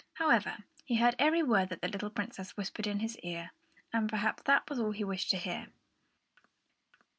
However, he heard every word that the little Princess whispered in his ear, and perhaps that was all that he wished to hear.